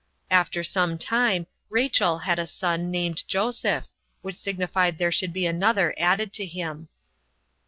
After some time Rachel had a son, named Joseph, which signified there should be another added to him.